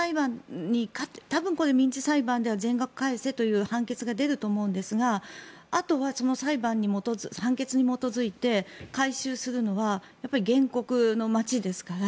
多分これ、民事裁判では全額返せという判決が出ると思うんですがあとは、その判決に基づいて回収するのは原告の町ですから。